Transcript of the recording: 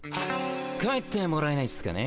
帰ってもらえないっすかね。